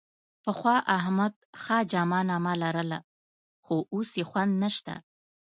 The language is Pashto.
پخوا احمد ښه جامه نامه لرله، خو اوس یې خوند نشته.